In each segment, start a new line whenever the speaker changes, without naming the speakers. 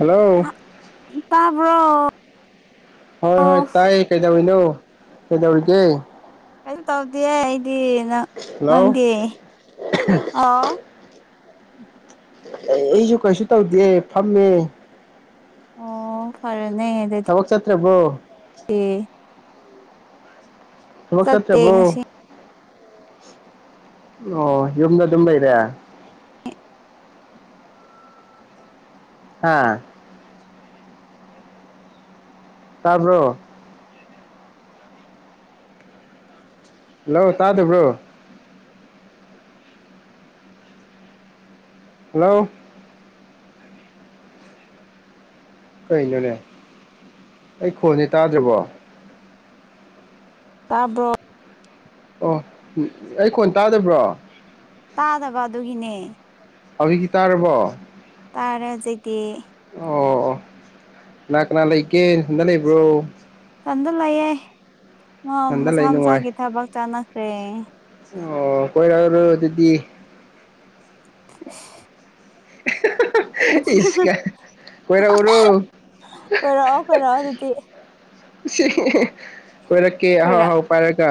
Hello
bro
ꯍꯣꯏ ꯍꯣꯏ ꯇꯥꯏ ꯀꯩꯗꯧꯔꯤꯅꯣ ꯀꯩꯗꯧꯔꯤꯒꯦ
ꯀꯩꯅꯣ ꯇꯧꯗꯦ ꯑꯩꯗꯤ ꯅꯪ
ꯍꯜꯂꯣ
ꯅꯪꯒꯤ ꯑꯥꯎ
ꯑꯩ ꯑꯩꯁꯨ ꯀꯩꯁꯨ ꯇꯧꯗꯦ ꯐꯝꯃꯦ
ꯑꯣ ꯐꯔꯦ
ꯊꯕꯛ ꯆꯠꯇ꯭ꯔꯦꯕꯣ
ꯇꯦ
ꯊꯃꯛ ꯆꯠ ꯆꯦꯕꯣ
ꯉꯁꯤ
ꯑꯣ ꯌꯨꯝꯗ ꯑꯗꯨꯝꯕ ꯏꯔ ꯍꯥꯥ ꯇꯕꯣ ꯍꯜꯂꯣ ꯇꯥꯗꯕ꯭ꯔꯣ ꯍꯜꯂꯣ ꯀꯩꯅꯣꯅꯦ ꯑꯩ ꯈꯣꯟꯗꯤ ꯇꯥꯗ꯭ꯔꯕꯣ
ꯇꯕꯣ
ꯑꯣ ꯑꯩ ꯀꯣꯟ ꯇꯥꯗꯕ꯭ꯔꯣ
ꯇꯥꯗꯕ ꯑꯗꯨꯒꯤꯅꯦ
ꯑꯕꯤꯒꯤ ꯇ ꯔꯔꯕꯣ
ꯇꯥꯔ ꯑꯗꯨꯗꯤ
ꯑꯣ ꯀꯅꯥ ꯀꯅꯥ ꯂꯩꯒꯦ ꯁꯟꯗ ꯂꯩꯕ꯭ꯔꯣ
ꯇꯟꯗ ꯂꯩꯌꯦꯦ
ꯅꯊꯟꯗ
ꯃꯁꯥ
ꯂꯩ ꯅꯨꯡꯉꯥꯏ
ꯃꯁꯥꯒꯤ ꯊꯕꯛ ꯆꯥꯟꯅꯈ꯭ꯔꯦ
ꯑꯣ ꯀꯣꯏꯔ ꯑꯗꯨꯗꯤ
ꯐ
ꯏꯀ ꯑꯣꯏꯣꯏꯔ ꯑꯣꯏꯔꯣ
ꯀꯔꯑꯣ ꯀꯔꯑꯣ ꯑꯗꯨꯗꯤ
ꯀꯣꯏꯔꯛ ꯀꯦ ꯍꯥꯎ
ꯀꯣꯏꯔꯛ
ꯍꯥꯎ ꯄꯔꯦꯒ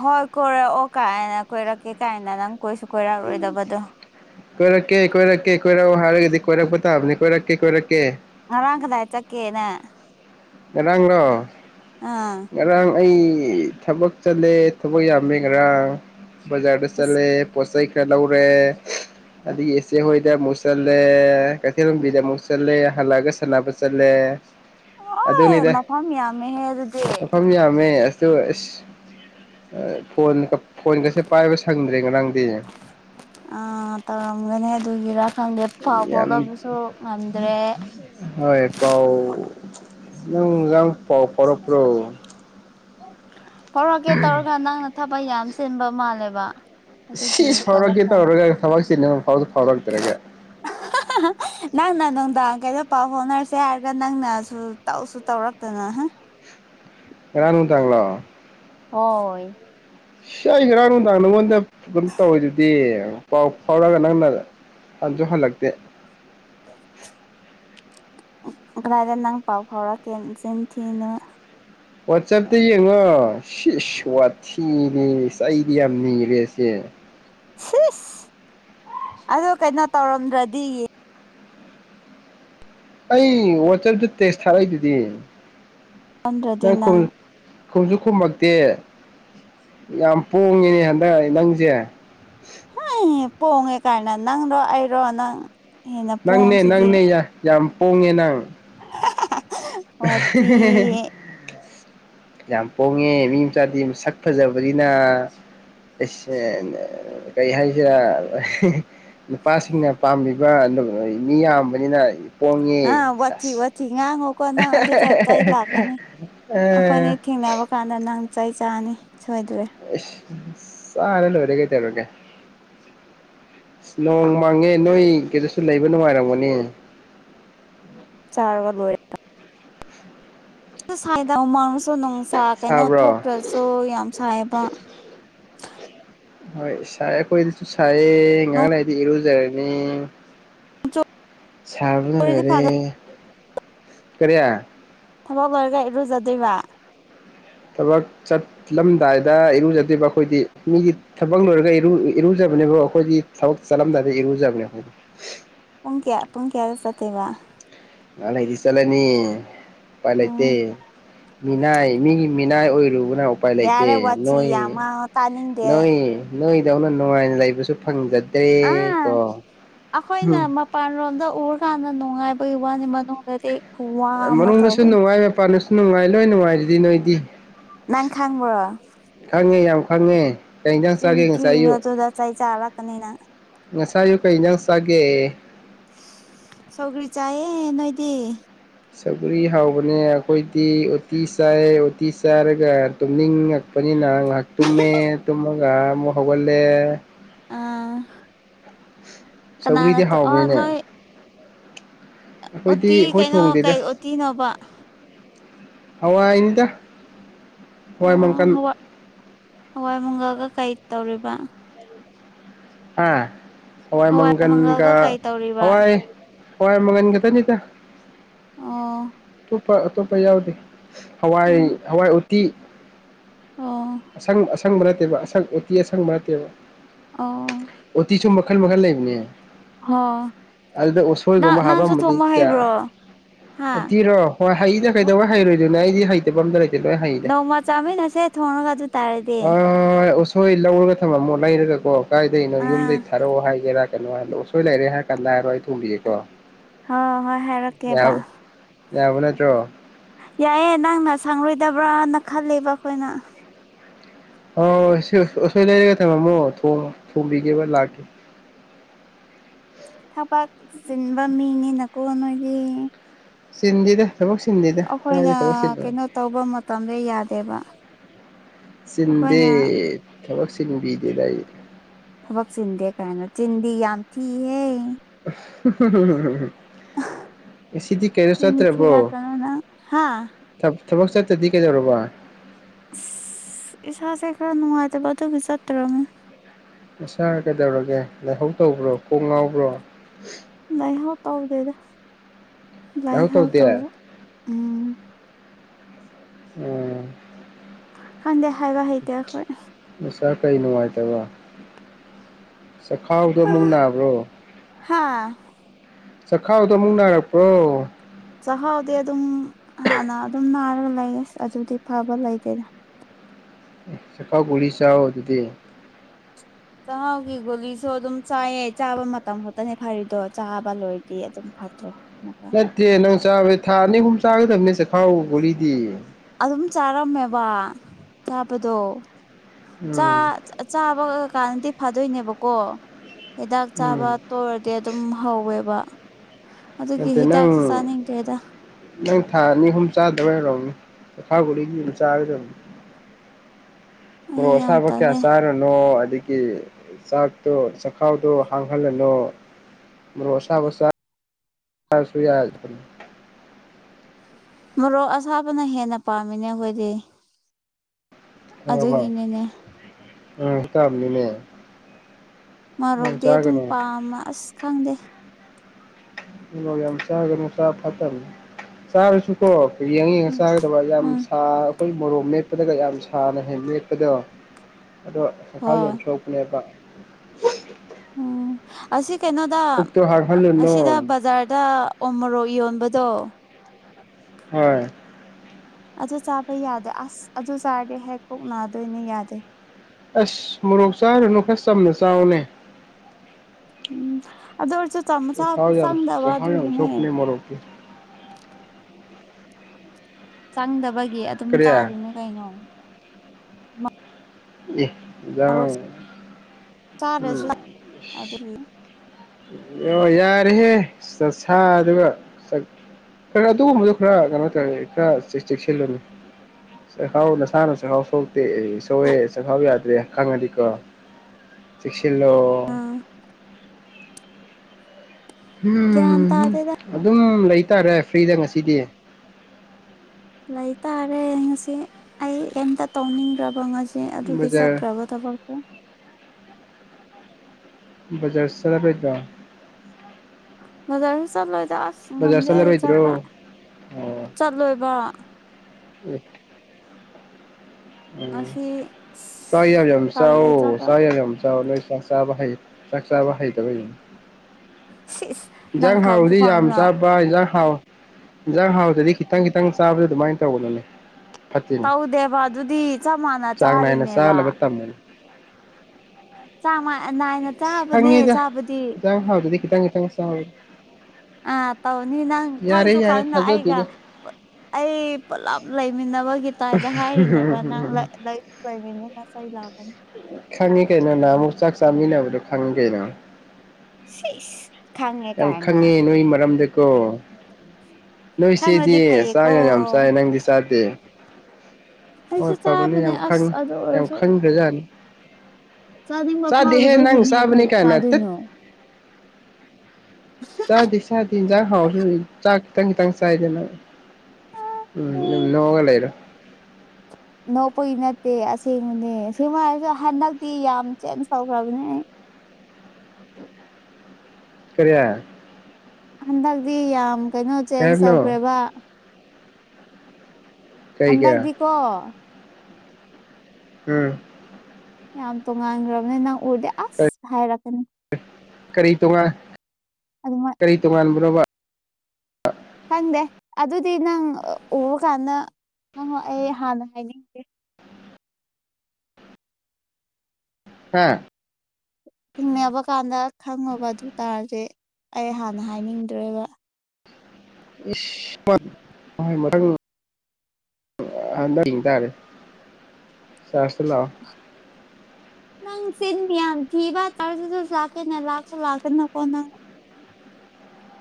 ꯍꯣꯏ ꯀꯣꯏꯔꯛꯑꯣ ꯀꯥꯏꯅ ꯀꯣꯏꯔꯛꯀꯦ ꯀꯥꯏꯅ ꯅꯪ ꯀꯣꯏꯁꯨ ꯀꯣꯏꯔꯛꯔꯣꯏꯗꯕꯗꯣ
ꯀꯣꯏꯔꯛꯀꯦ ꯀꯣꯏꯔꯛꯀꯦ ꯀꯣꯏꯔꯛꯑꯣ ꯍꯥꯏꯔꯒꯗꯤ ꯀꯣꯏꯔꯛꯄ ꯇꯥꯕꯅꯤ ꯀꯣꯏꯔꯛꯀꯦ ꯀꯣꯏꯔꯛꯀꯦ
ꯉꯔꯥꯡꯒꯗ ꯆ ꯀꯦꯅꯦ
ꯉꯔꯥꯡꯗꯣ ꯉꯔꯥꯡ ꯑꯩ ꯊꯕꯛ ꯆꯠꯂꯦ ꯊꯕꯛ ꯌꯥꯝꯃꯦ ꯉꯔꯥꯡ ꯕꯖꯥꯔꯗ
ꯑꯁ
ꯆꯠꯂꯦ ꯄꯣꯠꯆꯩ ꯀꯂꯧꯔ ꯑꯗꯒꯤ ꯏꯆꯦ ꯍꯣꯏꯗ ꯑꯃꯨꯛ ꯆꯠꯂꯦ ꯀꯩꯊꯦꯜ ꯂꯝꯕꯤꯗ ꯑꯃꯨꯛ ꯆꯠꯂꯦ ꯍꯜꯂꯛꯑꯒ ꯁꯥꯟꯅꯕ ꯆꯠꯂꯦ [unintelligible]
ꯍꯣꯏ
ꯑꯗꯨꯅꯤꯗ
ꯃꯐꯝ ꯌꯥꯝꯃꯦꯍꯦ ꯑꯗꯨꯗꯤ
ꯃꯐꯝ ꯌꯥꯝꯃꯦ ꯑꯁ ꯐꯣꯟ ꯀ ꯐꯣꯟꯒꯁꯦ ꯄꯥꯏꯕ ꯁꯪꯗ꯭ꯔꯦ ꯅꯪꯗꯤ꯫
ꯑꯥ ꯇꯧꯔꯝꯒꯅꯤ ꯑꯗꯨꯒꯤꯔꯥ ꯈꯪꯗꯦ ꯄꯥꯎ
ꯌꯥꯝ
ꯐꯥꯎꯗꯕꯁꯨ ꯉꯝꯗ꯭ꯔꯦ
ꯍꯣꯏ ꯄꯥꯥꯎ꯫ ꯅꯪ ꯂꯥꯡ ꯄꯥꯥꯎ ꯐꯥꯎꯔꯛꯄ꯭ꯔꯣ꯫
ꯐꯥꯎꯔꯛ ꯑꯒꯦ ꯇꯧꯔꯒ ꯅꯪꯅ ꯊꯕꯛ ꯌꯥꯝ ꯆꯦꯟꯕ ꯃꯥꯜꯂꯦꯕ꯫ ꯑꯗꯨꯒꯤ
ꯁꯤꯁ ꯐꯥꯎꯔꯛꯀꯦ
ꯇꯧꯔꯛꯇꯕ
ꯇꯧꯔꯒ ꯊꯕꯛ ꯆꯤꯜꯂꯕ ꯐꯥꯎꯗꯤ ꯐꯥꯎꯔꯛꯇ꯭ꯔꯒ꯫
ꯅꯪꯅ ꯅꯨꯡꯗꯥꯡ ꯀꯩꯅꯣ ꯄꯥꯎ ꯐꯥꯎꯅꯔꯁꯦ ꯍꯥꯏꯔꯒ ꯅꯪꯅꯁꯨ ꯇꯧꯁꯨ ꯇꯧꯔꯛꯇꯅ ꯍꯪ꯫ [inaudible]
ꯉꯔꯥꯡ ꯅꯨꯡꯗꯥꯡꯂꯣ꯫
ꯍꯣꯏ꯫
ꯁꯤꯌ ꯉꯥꯔꯡ ꯅꯨꯡꯗꯥꯡ ꯅꯉꯣꯟꯗ ꯑꯗꯨꯝ ꯇꯧꯔꯤꯗꯨꯗꯤ꯫ ꯄꯥꯎ ꯐꯥꯎꯔꯒ ꯅꯪꯅ ꯍꯟꯁꯨ ꯍꯜꯂꯛꯇꯦ꯫
[inaudible] ꯀꯗꯥꯏꯗ ꯅꯪ ꯄꯥꯎ ꯐꯥꯎꯔꯛꯀꯦ ꯅꯆꯤꯟ ꯊꯤꯅꯨ꯫
ꯋꯥꯠꯆꯞꯇ ꯌꯦꯡꯉꯣ ꯁꯤꯁ ꯋꯥꯊꯤꯗꯤ꯫ ꯆꯩꯗꯤ ꯌꯥꯝ ꯅꯤꯔꯦꯁꯦ꯫
ꯁꯤꯁ ꯑꯗꯨ ꯀꯩꯅꯣ ꯇꯧꯔꯝꯗ꯭ꯔꯗꯤ ꯌꯦꯡ
ꯑꯩ ꯋꯥꯠꯆꯞꯇ ꯇꯦꯁ ꯊꯔꯛꯏꯗꯨꯗꯤ꯫
ꯊꯥꯔꯝꯗꯔ꯭ꯗꯤ ꯅꯪ꯫
ꯈꯣꯡꯁꯨ ꯈꯨꯨꯝꯃꯛꯇꯦ ꯌꯥꯝ ꯄꯣꯡꯉꯤꯅꯦ ꯍꯟꯗꯛ ꯅꯪꯁꯦ꯫
ꯄꯣꯡꯉꯦ ꯀꯥꯏꯅ ꯅꯪꯂꯣ ꯑꯩꯔꯣ ꯅꯪ꯫ ꯍꯦꯟꯅ
ꯅꯪꯅꯦ
ꯄꯣꯡꯁꯤꯗꯤ
ꯅꯪꯅꯦ ꯌꯥ ꯌꯥꯝ ꯄꯣꯡꯉꯦ ꯅꯪ꯫
ꯋꯥꯊꯤ
[unintelligible] ꯌꯥꯝ ꯄꯣꯡꯉꯦ ꯃꯤ ꯃꯆꯥꯗꯤ ꯁꯛ ꯐꯖꯕꯅꯤꯅ꯫ ꯀꯔꯤ ꯍꯥꯏꯁꯤꯔ꯫ ꯅꯨꯄꯥꯁꯤꯡꯅ ꯄꯥꯝꯕꯤꯕ ꯃꯤ ꯌꯥꯝꯕꯅꯤꯅ꯫
ꯍꯥ
ꯄꯣꯡꯉꯦ
ꯋꯥꯊꯤ
ꯁꯁ
ꯋꯥꯊꯤ ꯉꯥꯡꯉꯨ꯫ ꯀꯣꯅ ꯑꯗꯨꯗ ꯆꯩ ꯂꯥꯛꯀꯅꯤ ꯑꯩꯈꯣꯏꯅꯤ
ꯑꯥ
ꯊꯦꯡꯅꯕ ꯀꯥꯟꯗ ꯅꯪ ꯆꯩ ꯆꯥꯅꯤ꯫ ꯁꯣꯏꯗꯔꯦ꯫
ꯆꯔꯥ ꯂꯣꯏꯔꯦ ꯀꯩꯗꯧꯔꯒꯦ꯫ ꯅꯣꯡ ꯃꯥꯡꯉꯦ ꯅꯣꯏ ꯀꯩꯗꯨꯁꯨ ꯂꯩꯕ ꯅꯨꯡꯉꯥꯏꯔꯝꯒꯅꯤ꯫
ꯆꯥꯒ ꯂꯣꯏ꯫ [unintelligible] ꯁꯥꯏꯗ ꯍꯨꯃꯥꯡꯅꯁꯨ ꯅꯨꯡ ꯁꯥ ꯀꯩꯅꯣ
ꯁꯥꯕ꯭ꯔꯣ
ꯊꯣꯛꯇ꯭ꯔꯁꯨ ꯌꯥꯝ ꯁꯥꯏꯌꯦꯕ꯫
ꯍꯣꯏ ꯁꯥꯏꯌꯦ ꯑꯩꯈꯣꯏꯗꯁꯨ ꯁꯥꯏꯌꯦ
ꯅꯣꯡ
ꯉꯥꯡ ꯂꯩꯔꯗꯤ ꯏꯔꯨꯖꯔ ꯅꯤ ꯁꯥꯕꯅ
ꯆꯨꯔꯗꯤ
ꯂꯣꯏꯔꯦ꯫
ꯐꯒ
ꯀꯔꯤꯌꯥ꯫
ꯊꯕꯛ ꯂꯣꯏꯔꯒ ꯏꯔꯨꯖꯗꯣꯏꯕ꯫
ꯊꯕꯛ ꯆꯠꯂꯝꯗꯥꯏꯗ ꯏꯔꯨꯖꯗꯣꯏꯕ ꯑꯩꯈꯣꯏꯗꯤ ꯃꯤꯒꯤ ꯊꯕꯛ ꯂꯣꯏꯔꯒ ꯏꯔꯨ ꯏꯔꯨꯖ ꯕꯅꯦꯕ ꯑꯩꯈꯣꯏꯗꯤ ꯊꯕꯛ ꯆꯠꯂꯝꯗꯥꯏꯗ ꯏꯔꯨꯖꯕꯅꯦ ꯑꯩꯈꯣꯏꯗꯤ꯫
ꯄꯨꯡ ꯀꯌꯥ ꯄꯨꯟꯀꯌꯥꯗ ꯆꯠꯇꯣꯏꯕ꯫
ꯉꯥꯛꯂꯩꯗꯤ ꯆꯂꯅꯤ ꯎꯄꯥꯏ
ꯎꯝ
ꯂꯩꯇꯦ ꯃꯤꯅꯥꯏ ꯃꯤꯒꯤ ꯃꯤꯅꯥꯏ ꯑꯣꯏꯔꯨꯕꯅ ꯎꯄꯥꯏ ꯂꯩꯇꯦ
ꯌꯥꯔꯦ ꯋꯥꯊꯤ
ꯅꯣꯏ
ꯌꯥꯝ ꯉꯥꯡꯉꯣ ꯇꯥꯅꯤꯡꯗꯦ ꯑꯩ
ꯅꯣꯏ ꯅꯣꯏ ꯗꯧꯅ ꯅꯨꯡꯉꯥꯏꯅ ꯂꯩꯕꯁꯨ ꯐꯪꯖ
ꯑꯥ ꯑꯩꯈꯣꯏꯅ
ꯎꯝ
ꯃꯄꯥꯟꯔꯣꯝꯗ꯫ ꯎꯔ ꯀꯥꯟꯗ ꯅꯨꯡꯉꯥꯏꯕꯒꯤ ꯋꯥꯅꯤ ꯃꯅꯨꯡꯗꯗꯤ꯫ ꯈꯨꯋꯥ ꯑꯃ
ꯃꯅꯨꯡꯗꯁꯨ
ꯇꯧꯕꯅꯤ
ꯅꯨꯡꯉꯥꯏ ꯃꯄꯥꯟꯗꯁꯨ ꯅꯨꯡꯉꯥꯏ ꯂꯣꯏ ꯅꯨꯡꯉꯥꯏꯔꯤꯗꯤ ꯅꯣꯏꯗꯤ꯫
ꯅꯪ ꯈꯪꯕꯔꯣ꯫
ꯈꯪꯉꯦ ꯌꯥꯝ ꯈꯪꯉꯦ꯫ ꯀꯩ ꯏꯟꯖꯥꯡ ꯆꯥꯒꯦ ꯉꯁꯥꯏ
ꯆꯤꯟꯊꯤꯅꯨ
ꯑꯌꯨꯛ
ꯑꯗꯨꯗ ꯆꯩ ꯆꯥ ꯂꯥꯛꯀꯅꯤ ꯅꯪ꯫
ꯉꯁꯥꯏ ꯑꯌꯨ ꯀꯩ ꯏꯟꯁꯥꯡ ꯆꯥꯒꯦ꯫
ꯁꯒꯔꯤ ꯆꯌꯦ ꯅꯣꯏꯗꯤ
ꯁꯒꯔꯤ ꯍꯥꯎꯕꯅꯦ ꯑꯩꯈꯣꯏꯗꯤ ꯎꯇꯤ ꯆꯥꯏ ꯎꯇꯤ ꯆꯥꯔꯒ ꯇꯨꯝꯅꯤꯡꯉꯛꯄꯅꯤ ꯅꯥ ꯉꯍ ꯇ ꯇꯃꯒꯔ ꯃꯨ ꯁꯒꯦ
ꯑ ꯀꯅꯥꯅ
ꯁꯧꯒꯔꯤꯗꯤ
ꯑꯣ
ꯍꯥꯎꯕꯅꯦ
ꯅꯣꯏ
ꯑꯩꯈꯣꯏꯗꯤ
ꯎꯇꯤ
ꯍꯣꯏ
ꯀꯩꯅꯣ
ꯊꯣꯡꯗꯦꯗ
ꯀꯩ ꯎꯇꯤꯅꯣꯕ
ꯍꯋꯥ ꯏꯟꯗ
ꯑꯣ ꯍꯋꯥꯏ ꯍꯋꯥꯏ ꯃꯨꯡꯒꯒ ꯀꯩ ꯇꯧꯔꯤꯕ
ꯍꯋꯥꯥꯏ
ꯍꯋꯥꯏ
ꯃꯪꯒꯟꯒꯥ
ꯃꯪꯒꯜꯒ ꯀꯩ ꯇꯧꯔꯤꯕ
ꯍꯋꯥꯏ ꯍꯣꯏ ꯃꯒꯟꯒꯇꯅꯤꯗ
ꯑꯣ
ꯑꯇꯣꯞꯄ ꯌꯥꯎꯗꯦ
ꯎꯝ
ꯍꯋꯥꯏ ꯍꯋꯥꯏ ꯎꯇꯤ
ꯑꯣ
ꯑꯁꯪ ꯑꯁꯪꯕ ꯅꯠꯇꯦꯕ ꯑꯁꯪ ꯎꯇꯤ ꯑꯁꯪꯕ ꯅꯠꯇꯦꯕ
ꯑꯣ
ꯑꯣꯠꯇꯤꯁꯨ ꯃꯈꯜ ꯃꯈꯜ ꯂꯩꯕꯅꯦ
ꯍꯣ
ꯑꯗꯨꯗ
ꯅꯪ
ꯎꯁꯣꯏꯒꯨꯝꯕ
ꯅꯪꯁꯨ
ꯍꯥꯞꯄꯝꯕꯗꯤ
ꯊꯣꯡꯕ
ꯀꯌꯥ
ꯍꯩꯕ꯭ꯔꯣ ꯍꯥ
ꯑꯇꯤꯔꯣ ꯍꯣꯏ ꯍꯩꯗ ꯀꯩꯗꯧꯕ ꯍꯩꯔꯣꯏꯗꯣꯏꯅꯦ ꯑꯩꯗꯤ ꯍꯩꯇꯕ ꯑꯝꯇ ꯂꯩꯇꯦ ꯂ ꯍꯗ
ꯅꯣꯡꯃ ꯆꯥꯃꯤꯟꯅꯁꯦ ꯊꯣꯡꯉꯒ ꯑꯗꯨ ꯇꯥꯔꯗꯤ
ꯑꯣ ꯊꯣꯏ ꯂꯧꯔꯒ ꯊꯝꯃꯝꯃꯣ ꯂꯩꯔꯒ ꯀꯣ ꯀꯥꯏꯗꯅꯣ
ꯑꯥ
ꯌꯨꯝꯗꯩ ꯊꯥꯔꯛꯑꯣ ꯍꯥꯏꯒꯦꯔꯥ ꯀꯩꯅꯅꯜꯣꯔꯔꯤ ꯍꯔ ꯀꯥꯟꯗꯥꯔꯣ ꯊꯕꯤꯀꯣ
ꯍꯣꯏ ꯍꯣꯏ ꯍꯥꯏꯔꯛꯀꯦꯕ
ꯌꯥꯕꯅꯠꯇ꯭ꯔꯣ
ꯌꯥꯏꯑꯦ ꯅꯪꯅ ꯁꯪꯔꯣꯏꯗꯕ꯭ꯔꯅ ꯈꯜꯂꯦꯕ ꯑꯩꯈꯣꯏꯅ
ꯑ ꯑꯁꯣꯏ ꯂꯩꯔꯒ ꯊꯝꯃꯃꯣ ꯊꯣꯡꯕꯤꯒꯦꯕ ꯂꯥꯛꯀꯦ
ꯊꯕꯥꯛ ꯆꯤꯟꯕ ꯃꯤꯅꯤꯅꯀꯣ ꯅꯣꯏꯗꯤ
ꯁꯤꯁꯤꯡꯗꯤꯗ
ꯑꯩꯈꯣꯏꯅ ꯀꯩꯅꯣ ꯇꯧꯕ ꯃꯇꯝꯗ ꯌꯥꯗꯦꯕ
ꯁꯤꯟꯗꯦ
ꯑꯩꯈꯣꯏꯅ
ꯊꯕꯛ ꯁꯤꯟꯕꯤꯗꯦꯗꯏ
ꯁꯤꯗꯦ ꯀꯥꯏꯅ ꯆꯤꯟꯗꯤꯤ ꯌꯥꯝ ꯊꯤꯍꯦ
[unintelligible] ꯁꯤꯗꯤ ꯀꯩꯁꯨꯣ
ꯆꯤꯟ
ꯆꯠꯇ꯭ꯔꯦꯕꯣ
ꯊꯤꯔꯛꯀꯅꯨ ꯅꯪ ꯍꯥ
ꯊꯕꯛ ꯆꯠꯇ꯭ꯔꯗꯤ ꯀꯩꯗꯧꯔꯕ
ꯏꯁꯥꯥꯁꯦ ꯈꯔ ꯅꯨꯡꯉꯥꯏꯇꯕ ꯑꯗꯨꯒꯤ ꯆꯠꯇ꯭ꯔꯅꯦ
ꯃꯁꯥꯔ ꯀꯩꯗꯧꯔꯒꯦ ꯂꯥꯏꯍꯧ ꯇꯧꯕ꯭ꯔꯣ ꯀꯣꯡ ꯉꯥꯎꯕ꯭ꯔꯣ
ꯂꯥꯏꯍꯥꯎ ꯇꯧꯗꯦꯗ
ꯀꯩꯅꯣ
ꯂꯥꯏꯍꯥꯎ
ꯇꯧꯗꯦ
ꯇꯧꯕ ꯎꯝ
ꯎꯝ
ꯀꯥꯟꯗꯦ ꯍꯥꯏ ꯍꯥꯏꯕ ꯍꯥꯏꯇꯈ
ꯅꯁꯥ ꯀꯩ ꯅꯨꯡꯉꯥꯏꯇꯕ ꯆꯈꯥꯎꯗꯣ ꯑꯃꯨꯛ ꯅꯥꯕ꯭ꯔꯣ
ꯍꯥꯥ
ꯆꯈꯥꯎꯗꯣ ꯑꯃꯨꯛ ꯅꯥꯏꯔꯛꯄ꯭ꯔꯣ
ꯆꯥꯛꯍꯥꯎꯗꯤ ꯑꯗꯨꯝ ꯍꯥꯟꯅ ꯑꯗꯨꯝ ꯅꯥꯔꯒ ꯂꯩꯌꯦ ꯑꯗꯨꯗꯤ ꯐꯕ ꯂꯩꯇꯦꯗ [inaudible]
ꯆꯐꯥꯎ ꯆꯑꯣ ꯑꯗꯨꯗꯤ
ꯆꯥꯛꯍꯥꯎꯒꯤ ꯒꯨꯂꯤꯁꯨ ꯑꯗꯨꯝ ꯆꯥꯏꯌꯦ ꯆꯥꯕ ꯃꯇꯝ ꯈꯛꯇꯅꯦ ꯐꯔꯤꯗꯣ ꯆꯥꯕ ꯂꯣꯏꯔꯗꯤ ꯑꯗꯨꯝ ꯐꯠꯇ꯭ꯔꯦ ꯑꯃꯨꯛꯀ
ꯅꯠꯇꯦ ꯅꯪ ꯆꯥꯕ ꯊꯥ ꯑꯅꯤ ꯑꯍꯨꯝ ꯆꯥꯒꯗꯕꯅꯦ ꯆꯈꯥꯎ ꯒꯣꯂꯤꯗꯤ
ꯑꯗꯨꯝ ꯆꯥꯔꯝꯃꯦꯕ ꯆꯥꯕꯗꯣ
ꯎꯝ
ꯐꯕ ꯀꯥꯟꯅꯗꯤ ꯐꯥꯗꯣꯏꯅꯦꯕꯀꯣ ꯍꯤꯗꯥꯛ
ꯎꯝ
ꯆꯥꯕ ꯇꯣꯏꯔꯗꯤ ꯑꯗꯨꯝ ꯍꯧꯋꯦꯕ ꯑꯗꯨꯒꯤ
ꯅꯠꯇꯦ ꯅꯪ
ꯍꯤꯗꯥꯛꯁꯨ ꯆꯥꯅꯤꯡꯗ꯭ꯔꯦꯗ
ꯅꯪ ꯊꯥ ꯑꯅꯤ ꯑꯍꯨꯝ ꯆꯥꯗꯕ ꯑꯣꯏꯔꯔꯕꯅꯤ ꯐꯥꯎꯒ ꯆꯥꯔꯦ ꯆ ꯄꯣ
ꯑꯩ ꯌꯥꯝ
ꯁꯥꯥꯕ ꯀ
ꯇꯜꯂꯦ
ꯆꯔ ꯅꯣ ꯑꯗꯒꯤ ꯆꯥꯛꯇꯣ ꯆꯈꯥꯎꯗꯣ ꯍꯥꯡꯍꯜꯂꯅꯨ ꯑꯣꯁꯥ ꯁꯥ ꯁꯨꯌꯥ
ꯃꯔꯣꯔꯣꯛ ꯑꯁꯥꯕꯅ ꯍꯦꯟꯅ ꯄꯥꯝꯃꯤꯅꯦ ꯑꯩꯈꯣꯏꯗꯤ ꯑꯗꯨꯗꯒꯤ ꯏꯅꯦꯅꯦ
ꯑꯝ ꯀꯝꯅꯤꯅꯦ
ꯃꯣꯔꯣꯛꯗꯤꯑꯗꯨꯝ ꯄꯥꯃ ꯑꯁ ꯈꯪꯗꯦ
ꯌꯥꯝ ꯆꯒꯔ ꯁꯥꯐ ꯆꯒꯔ ꯁ ꯀ ꯌꯦꯡꯉ
ꯎꯝ
ꯆꯥꯒꯗꯕ ꯌꯥꯝ
ꯎꯝ
ꯁꯥ ꯑꯩꯈꯣꯏ ꯃꯣꯔꯣꯛ ꯃꯦꯠꯄꯗꯒ ꯌꯥꯝ ꯁꯥꯟꯅꯍꯩ ꯃꯦꯠꯄꯗꯣ ꯑꯗꯣ ꯁꯐꯥꯁꯨ ꯌꯥꯝ
ꯍꯣꯏ
ꯁꯣꯛꯄꯅꯦꯕ
ꯎꯝ ꯑꯁꯤ ꯀꯩꯅꯣꯗ
ꯄꯨꯛꯇꯣ
ꯑꯁꯤꯗ
ꯍꯥꯡꯍꯜꯂꯨꯅꯨ
ꯕꯖꯥꯔꯗ ꯑꯣꯃꯣꯔꯣꯛ ꯌꯣꯟꯕꯗꯣ
ꯍꯣꯏ
ꯑꯗꯨ ꯆꯥꯕ ꯌꯥꯗꯦ ꯑꯁ ꯑꯗꯨ ꯆꯥꯔꯗꯤ ꯍꯦꯛ ꯄꯣꯛꯅꯗꯣꯏꯅꯦ ꯌꯥꯗꯦ
ꯑꯁ ꯃꯣꯔꯣꯛ ꯆꯥꯔꯨꯅꯨ ꯈꯔ ꯆꯝꯅ ꯆꯥꯎꯅꯦ
ꯎꯝ ꯑꯗꯔꯁꯨ ꯀꯝ ꯆ
ꯆꯈꯥꯎ ꯌꯥꯝ
ꯆꯪꯗꯕ
ꯆꯈꯥꯎ ꯌꯥꯝ
ꯑꯗꯨꯒꯤꯅꯦ
ꯁꯣꯛꯄꯅꯦ ꯃꯣꯔꯣꯛꯇꯤ
ꯆꯪꯗꯕꯒꯤ ꯑꯗꯨꯝ
ꯀꯔꯤ
ꯇꯥꯔꯤꯅꯦ ꯀꯩꯅꯣ
ꯑꯦ
ꯃꯣꯔꯣꯛ
ꯌꯥ
ꯆꯥꯗ꯭ꯔꯁꯨ
ꯎꯝ
ꯑꯗꯨꯒꯤ
ꯑꯣ ꯌꯥꯔꯤꯍꯦ ꯆꯠꯁ ꯑꯗꯨꯒ ꯈꯔ ꯑꯗꯨꯒꯨꯝꯕꯗꯨ ꯈꯔ ꯀꯩꯅꯣ ꯇꯧꯔꯦ ꯈꯔ ꯆ ꯆꯦꯛꯁꯤꯜꯂꯅꯤ ꯍꯥꯎꯅ ꯁꯅꯁꯦ ꯍꯥꯎ ꯁ ꯁꯧꯋꯦ ꯆꯐꯥꯎ ꯌꯥꯗ꯭ꯔꯦ ꯈꯪꯉꯗꯤꯀꯣ ꯆꯦꯛꯁꯤꯜꯂꯣ
ꯑꯥ ꯒ꯭ꯌꯥꯟ
ꯎꯝꯝ
ꯇꯥꯗꯦꯗ
ꯑꯗꯨꯝ ꯂꯩꯇꯥꯔꯦ ꯐ꯭ꯔꯤꯗ ꯉꯁꯤꯗꯤ
ꯂꯩꯇꯥꯔꯦ ꯉꯁꯤ ꯑꯩ ꯑꯝꯇ ꯇꯧꯅꯤꯡꯗ꯭ꯔꯕ ꯉꯁꯤ ꯑꯗꯨꯒꯤ
ꯕꯖꯥꯔ
ꯆꯠꯇ꯭ꯔꯕ ꯊꯕꯛꯇꯣ
ꯖꯔꯁꯗ ꯄꯦꯖ
ꯃꯖꯥꯔ ꯆꯂ ꯑꯁ ꯉꯝꯗꯦ ꯑꯩ ꯆꯠꯄ
ꯆꯠꯂꯔꯣꯏꯗ꯭ꯔꯣ ꯑꯣ
ꯆꯠꯂꯣꯏꯕ
ꯑꯦ ꯎꯝ
ꯉꯁꯤ ꯑꯁ
ꯁꯝ
ꯇꯜꯂꯦ
ꯆ
ꯆꯠꯄ
ꯁꯝ ꯆ ꯆꯥꯛꯁꯥꯕꯍꯤ ꯆꯥꯛꯆꯥꯥꯕ ꯍꯍꯤꯗꯕ
ꯁꯤꯁ ꯅꯪ
ꯏꯟꯖꯥꯡ
ꯈꯪꯁꯨ
ꯍꯥꯎꯗꯤ ꯌꯥꯝ
ꯈꯪꯅ
ꯆꯥꯕ ꯏꯟꯖꯥꯡ ꯍꯥꯎ ꯌꯦꯟꯖꯥꯡ ꯍꯥꯎꯗꯗꯤ ꯈꯤꯇꯪ ꯈꯤꯇꯪ ꯆꯥꯕꯗ ꯑꯗꯨꯃꯥꯏꯅ ꯇꯧꯒꯅꯅꯤ ꯐꯠꯇꯦꯅꯦ
ꯇꯧꯗꯦꯕ ꯑꯗꯨꯗꯤ ꯆꯞ ꯃꯥꯟꯅ
ꯆꯥꯡ ꯅꯥꯏꯅ
ꯆꯥꯔꯤꯅꯦꯕ
ꯆꯥꯅꯕ ꯇꯝꯗꯅꯤ
ꯆ ꯅꯥꯏꯅ ꯆꯥꯕꯅꯦ ꯆꯥꯕꯗꯤ
ꯏꯈꯤꯇ ꯏꯈꯤꯇꯪ ꯆ
ꯑ ꯇꯧꯅꯤ ꯅꯪ ꯊꯪꯁꯨꯣ
ꯌꯥꯔꯦ
ꯈꯥꯎꯅ ꯑꯩꯒ
ꯊꯥꯖꯗꯦꯗ
ꯑꯩ ꯄꯨꯂꯞ ꯂꯩꯃꯤꯟꯅꯕꯒꯤ ꯇꯥꯏꯗ ꯍꯥꯏꯔꯤꯅꯦꯕ ꯅꯪ ꯂꯩꯃꯤꯟꯅꯅ ꯆꯩ ꯂꯥꯛꯀꯅꯤ
ꯈꯪꯉꯤ ꯀꯅ ꯅ ꯃꯨ ꯆꯥꯛ ꯆꯝꯅꯤꯅꯕꯨꯗꯨ ꯈꯪꯉꯤ ꯀꯦꯅ
ꯁꯤꯁ ꯈꯥꯉꯦ ꯇꯥꯏꯅ
ꯀ ꯅꯣꯏ ꯁꯤꯦꯗꯤ
ꯈꯪꯔꯗꯤ ꯐꯩꯌꯦꯀꯣ
ꯆꯥꯗꯅ ꯌꯥꯝ ꯆꯥꯏ ꯅꯪꯗꯤ ꯆꯥꯗꯦ ꯍꯣꯏ
ꯑꯩꯁꯨ
ꯐꯥꯕꯅ
ꯆꯥꯕꯅꯦ
ꯌꯥꯈ
ꯑꯁ ꯑꯗꯨ ꯑꯣꯏꯔꯁꯨ
ꯌꯥꯎꯈꯪꯒꯖꯅꯤ
ꯆꯥꯅꯤꯡꯕ
ꯅꯪ
ꯐꯥꯎꯗꯕꯒꯤꯅꯦ
ꯆꯥꯕꯅꯤ
ꯀꯔꯤ
ꯀꯥꯏꯅ ꯇꯠ
ꯆꯥꯗꯣꯏꯅꯣ
ꯆꯥꯗꯦ ꯆꯥꯗꯦ ꯌꯦꯟꯁꯥꯡ ꯍꯥꯎꯁꯨ ꯆꯥꯛ ꯈꯤꯇꯪ ꯈꯤꯇꯪ ꯆꯥꯏꯗꯦꯅ ꯎꯝ ꯅꯣꯡꯉꯂꯔꯣ
ꯅꯣꯛꯄꯨꯒꯤ ꯅꯠꯇꯦ ꯑꯁꯦꯡꯕꯅꯦ ꯑꯁꯦꯡꯕ ꯍꯥꯏꯔꯁꯨ ꯍꯟꯗꯛꯇꯤ ꯌꯥꯝ ꯆꯦꯠꯅ ꯇꯧꯈ꯭ꯔꯕꯅꯦ ꯑꯩ
ꯀꯔꯤꯌꯥ
ꯍꯟꯗꯛꯇꯤ ꯌꯥꯝ ꯀꯩꯅꯣ
ꯀꯩ
ꯆꯦꯟꯖ
ꯍꯥꯏꯕꯅꯣ
ꯇꯧꯈ꯭ꯔꯦꯕ
ꯀꯩꯒ
ꯑꯗꯛꯗꯤꯀꯣ
ꯎꯝ
ꯌꯥꯝ ꯇꯣꯉꯥꯟꯈ꯭ꯔꯕꯅꯦ ꯅꯪ ꯎꯗꯦ ꯑꯁ ꯍꯥꯏꯔꯛꯀꯅꯤ
ꯀꯔꯤ ꯇꯣꯉꯥꯟ
ꯑꯗꯨꯃꯥꯏ
ꯀꯔꯤ ꯇꯣꯉꯥꯟꯕ꯭ꯔꯣꯕ
ꯈꯪꯗꯦ ꯑꯗꯨꯗꯤ ꯅꯪ ꯎꯕꯀꯥꯟꯗ ꯍꯪꯉꯣ ꯑꯩ ꯍꯥꯟꯅ ꯍꯥꯏꯅꯤꯡꯗꯦ
ꯍꯥꯥ
ꯍꯤꯡꯅꯕ ꯀꯥꯟꯗ ꯈꯪꯉꯨꯕ ꯑꯗꯨ ꯇꯥꯔꯗꯤ ꯑꯩ ꯍꯥꯟꯅ ꯍꯥꯏꯅꯤꯡꯗ꯭ꯔꯦꯕ
ꯏꯁ ꯑ [inaudible] ꯇꯔꯦ ꯐꯦꯁꯂꯥ
ꯊꯕ ꯇꯔꯁꯨ ꯆꯦ ꯅ ꯂꯥꯛꯁꯨ ꯂꯥꯛꯒꯅ ꯀꯣꯟꯅ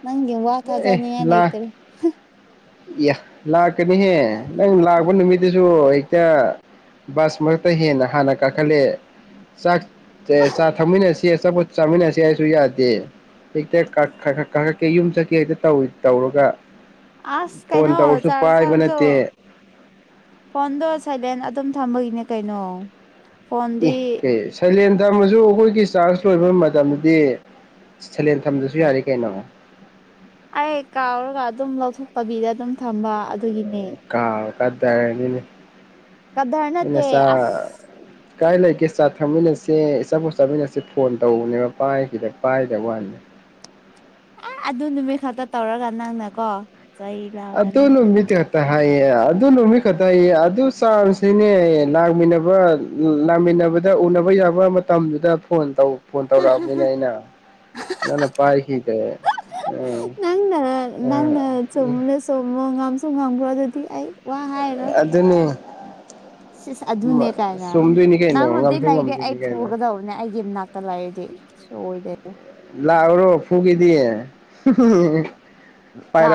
ꯅꯪꯒ ꯋꯥ ꯊ
ꯑꯦ
ꯍꯥꯖꯅꯤ
ꯂꯥ
ꯌꯦꯂꯩꯇꯔꯦ
ꯂꯥꯛꯀꯅꯤꯍꯦ ꯅꯪ ꯂꯥꯛꯄ ꯅꯨꯃꯤꯠꯇꯨꯁꯨ ꯍꯦꯛꯇ ꯕꯁ ꯃꯔꯛꯇ ꯍꯦꯟꯅ ꯍꯥꯟꯅ ꯀꯥꯈꯠꯂꯦ ꯆꯥꯛ ꯆꯥ ꯊꯛꯃꯤꯟꯅꯁꯤ ꯑꯆꯥꯄꯣꯠ ꯆꯥꯃꯤꯟꯅꯁꯤ ꯍꯥꯏꯁꯨ ꯌꯥꯗꯦ ꯍꯦꯛꯇ ꯀꯥꯈꯠꯀꯦ ꯌꯨꯝ ꯆꯠꯀꯦ ꯍꯦꯛꯇ ꯇꯧ ꯇꯧꯔꯒ
ꯑꯁ
ꯐꯣꯟ
ꯀꯥꯏꯩꯅꯣ
ꯇꯧꯔꯁꯨ
ꯆꯔ
ꯄꯥꯏꯕ
ꯆꯔꯁꯨ
ꯅꯠꯇꯦ
ꯐꯣꯟꯗꯁꯂꯦꯟ ꯑꯗꯨꯝ ꯊꯝꯕꯒꯤꯅꯦ ꯀꯩꯅꯣ
ꯏ
ꯐꯣꯟꯗꯤ
ꯀꯩ ꯁꯩꯂꯦꯟ ꯊꯝꯃꯁꯨ ꯑꯩꯈꯣꯏꯒꯤ ꯆꯥꯔꯖ ꯂꯣꯏꯕ ꯃꯇꯝꯗꯗꯤ ꯁꯂꯦꯟ ꯊꯝꯗꯁꯨ ꯌꯥꯔꯦ ꯀꯩꯅꯣ
ꯑꯩ ꯀꯥꯎꯔꯒ ꯑꯗꯨꯝ ꯂꯧꯊꯣꯛꯇꯕꯤꯗ ꯑꯗꯨꯝ ꯊꯝꯕ ꯑꯗꯨꯒꯤꯅꯦ
ꯀꯗꯔꯅꯤꯅꯦ
ꯀꯗꯔ ꯅꯠꯇꯦ
ꯏꯁ
ꯑꯁ
[inaudible] ꯀꯥꯏ ꯂꯩꯥꯏꯀꯦ ꯆ ꯊꯝꯃꯤꯅꯦꯁꯦ ꯆꯠꯃꯤꯟꯅꯁꯦ ꯐꯣꯟ ꯇꯧꯕꯅꯦꯕ ꯄꯥꯏꯈꯤꯗ ꯄꯥꯏꯗ ꯋꯥꯅꯤ
ꯑ ꯑꯗꯨ ꯅꯨꯃꯤꯠ ꯈꯛꯇ ꯇꯧꯔꯒ ꯅꯪꯅꯀꯣ ꯆꯩ ꯂꯥꯛꯀꯅꯤ
ꯑꯗꯨꯗ ꯅꯨꯃꯤꯇ ꯍꯥꯏꯌꯦ ꯑꯗꯨ ꯅꯨꯃꯤꯠ ꯈꯛꯇꯌꯦ ꯑꯗꯨ ꯆꯥꯟꯁꯅꯤꯅꯦ ꯂꯥꯛꯃꯤꯟꯅꯕ ꯂꯃꯤ ꯎꯕꯗ ꯎꯅꯕ ꯌꯥꯕ ꯃꯇꯝꯗꯨꯗ ꯐꯣꯟ ꯇꯧ ꯐꯣꯟ ꯇꯧꯔꯛꯑꯕꯅꯤꯅꯦ ꯑꯩꯅ ꯅꯪꯅ ꯄꯥꯏꯈꯤꯗ꯭ꯔꯦ ꯎꯝ ꯑ ꯎ
ꯁꯣ ꯃ ꯉꯥꯡꯁꯨ ꯉꯥꯡꯕ꯭ꯔꯣ ꯑꯗꯨꯗꯤ ꯑꯩ ꯋꯥ ꯍꯥꯏꯔꯣ
ꯑꯗꯨꯗꯅꯤ
[unintelligible] ꯁꯤꯁ ꯑꯗꯨꯅꯦ ꯀꯥꯏꯅ
ꯆꯨꯝꯗꯣꯏꯅꯤ
ꯅꯪ
ꯀꯩꯅꯣ
ꯍꯣꯟꯩ
ꯉꯝꯁꯨ
ꯂꯩꯗꯤꯦ ꯑꯩ
ꯉꯝꯗꯣꯏꯅꯤ ꯀꯩꯅꯣ
ꯐꯨꯒꯗꯧꯕꯅꯦ ꯑꯩꯒꯤ ꯃꯅꯥꯛꯇ ꯂꯩꯔꯗꯤ ꯑꯣꯏꯗꯦ
ꯂꯥꯎꯔꯣ ꯐꯨꯒꯗꯤꯌꯦꯦ
ꯃꯥ